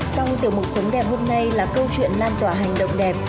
trong tiểu mục sống đẹp hôm nay là câu chuyện lan tỏa hành động đẹp